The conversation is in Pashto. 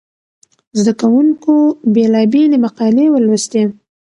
زده کوونکو بېلابېلې مقالې ولوستې.